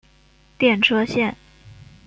电车线。